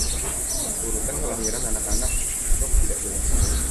Urutan kelahiran anak-anak Cooke tidak jelas.